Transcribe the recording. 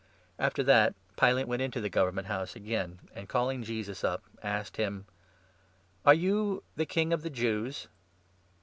After that, Pilate went into the Government House again, 33 and calling Jesus up, asked him :" Are you the King of the Jews